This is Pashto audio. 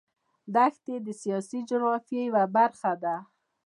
دښتې د سیاسي جغرافیه یوه برخه ده.